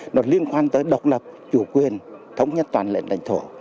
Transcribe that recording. nó liên quan tới độc lập chủ quyền thống nhất toàn lệnh đánh thổ